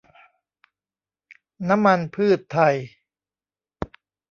น้ำมันพืชไทย